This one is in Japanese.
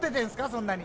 そんなに。